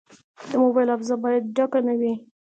د موبایل حافظه باید ډکه نه وي.